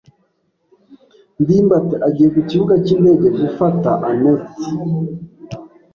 ndimbati agiye ku kibuga cyindege gufata anet.